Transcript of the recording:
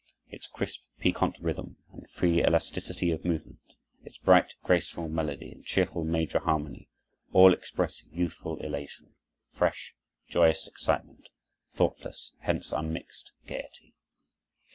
Its crisp, piquant rhythm and free elasticity of movement, its bright, graceful melody and cheerful major harmony, all express youthful elation, fresh, joyous excitement, thoughtless, hence unmixed, gaiety.